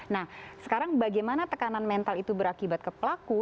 nah sekarang bagaimana tekanan mental itu berakibat ke pelaku